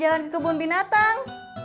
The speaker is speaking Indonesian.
jalan jalan kebun binatang